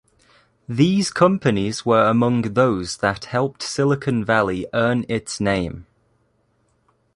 These companies were among those that helped Silicon Valley earn its name.